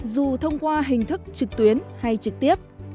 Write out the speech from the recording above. dù thông qua hình thức trực tuyến hay trực tiếp